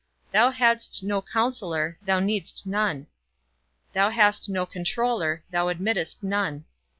Thou hadst no counsellor, thou needst none; thou hast no controller, thou admittedst none.